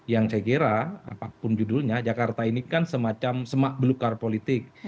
yang saya kira apapun judulnya jakarta ini kan semacam semak belukar politik